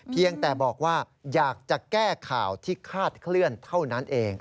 เพียงแต่บอกว่าอยากจะแก้ข่าวที่คาดเคลื่อนเท่านั้นเอง